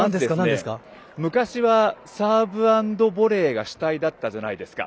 昔はサーブ＆ボレーが主体だったじゃないですか。